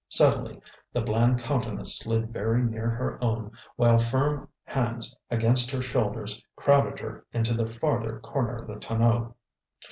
Suddenly the bland countenance slid very near her own, while firm hands against her shoulders crowded her into the farther corner of the tonneau.